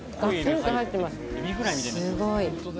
すごい。